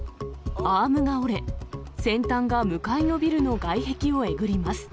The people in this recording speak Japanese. アームが折れ、先端が向かいのビルの外壁をえぐります。